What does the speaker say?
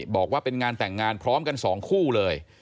บอกว่าเป็นงานแต่งงานพร้อมกัน๒คู่เลย